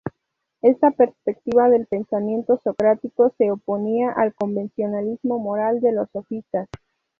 Esta perspectiva del pensamiento socrático se oponía al convencionalismo moral de los sofistas.